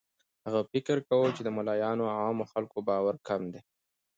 هغه فکر کاوه چې د ملایانو او عامو خلکو باور کم دی.